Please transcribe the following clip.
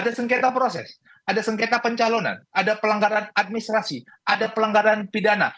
ada sengketa proses ada sengketa pencalonan ada pelanggaran administrasi ada pelanggaran pidana